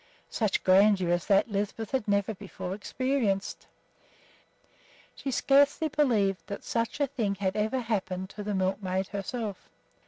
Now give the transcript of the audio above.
Such grandeur as that Lisbeth had never before experienced. She scarcely believed that such a thing had ever happened to the milkmaid herself.